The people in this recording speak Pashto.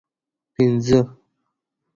پنځه